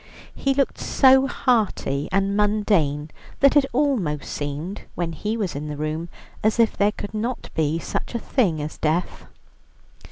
He looked so hearty and mundane that it almost seemed, when he was in the room, as if there could not be such a thing as death.